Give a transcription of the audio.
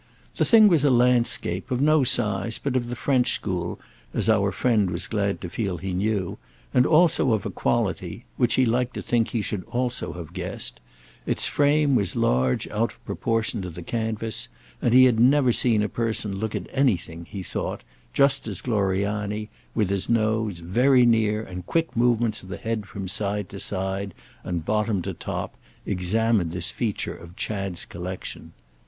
The thing was a landscape, of no size, but of the French school, as our friend was glad to feel he knew, and also of a quality—which he liked to think he should also have guessed; its frame was large out of proportion to the canvas, and he had never seen a person look at anything, he thought, just as Gloriani, with his nose very near and quick movements of the head from side to side and bottom to top, examined this feature of Chad's collection.